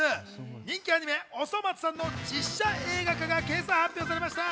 人気アニメ『おそ松さん』の実写映画化が今朝、発表されました。